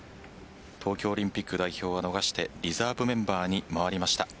東京オリンピック代表を逃してリザーブメンバーに回りました。